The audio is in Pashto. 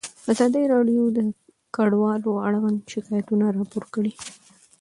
ازادي راډیو د کډوال اړوند شکایتونه راپور کړي.